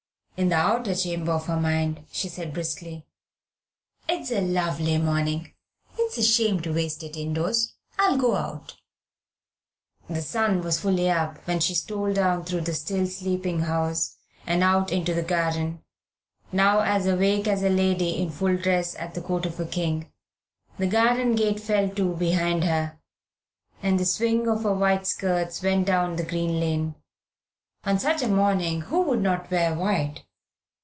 In the outer chamber of her mind she said briskly "It's a lovely morning. It's a shame to waste it indoors. I'll go out." The sun was fully up when she stole down through the still sleeping house and out into the garden, now as awake as a lady in full dress at the court of the King. The garden gate fell to behind her, and the swing of her white skirts went down the green lane. On such a morning who would not wear white?